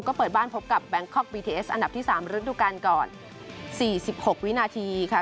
ก็เปิดบ้านพบกับแบงคอกบีเทสอันดับที่๓ฤดูการก่อน๔๖วินาทีค่ะ